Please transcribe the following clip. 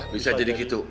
bisa jadi gitu